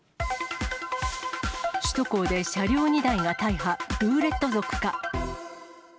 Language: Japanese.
首都高で車両２台が大破、ルーレット族か？